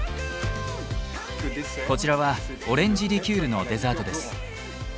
こちらはオレンジリキュールのデザートです。